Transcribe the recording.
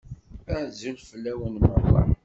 Azul fell-awen meṛṛa.